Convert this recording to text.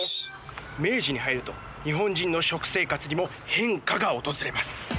明治に入ると日本人の食生活にも変化が訪れます。